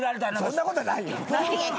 そんなわけないよ。